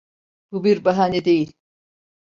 Bu bir bahane değil.